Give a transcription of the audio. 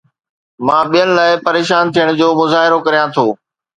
مان ٻين لاءِ پريشان ٿيڻ جو مظاهرو ڪريان ٿو